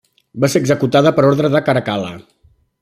Va ser executada per ordre de Caracal·la.